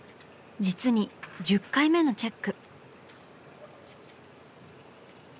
実に１０回目のチェック。